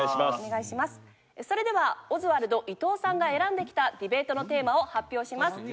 それではオズワルド伊藤さんが選んできたディベートのテーマを発表します。